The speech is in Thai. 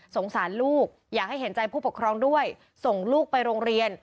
สารลูกอยากให้เห็นใจผู้ปกครองด้วยส่งลูกไปโรงเรียน